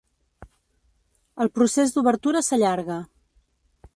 El procés d'obertura s'allarga.